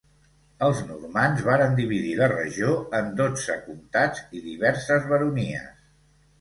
Els normands varen dividir la regió en dotze comtats i diverses baronies.